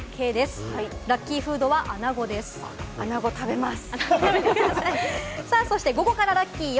あなご食べます。